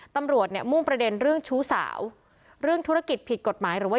ตำรวจเนี่ยมุ่งประเด็นเรื่องชู้สาวเรื่องธุรกิจผิดกฎหมายหรือว่า